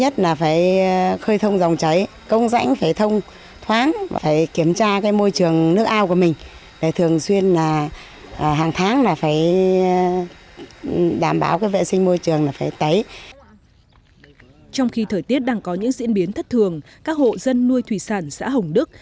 trong khi thời tiết đang có những diễn biến thất thường các hộ dân nuôi thủy sản xã hồng đức